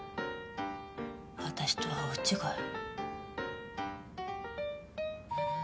私とは大違い。